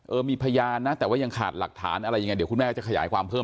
เออมีพยานนะแต่ว่ายังขาดหลักฐานอะไรยังไงเดี๋ยวคุณแม่ก็จะขยายความเพิ่ม